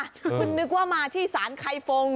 คุณนึกว่ามาที่สารไข่ฟง